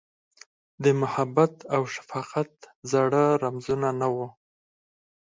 د محبت اوشفقت زاړه رمزونه، نه وه